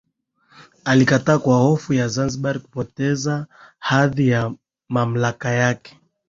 Alikataa kwa hofu ya Zanzibar kupoteza hadhi na mamlaka yake